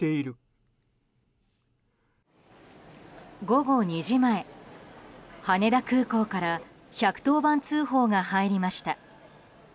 午後２時前、羽田空港から１１０番通報が入りました。